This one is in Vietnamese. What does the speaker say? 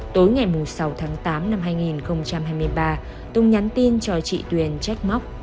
tối ngày sáu tháng tám năm hai nghìn hai mươi ba tùng nhắn tin cho chị tuyền check móc